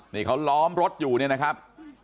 นี่เขาล้อมรถอยู่เนี่ยนะครับ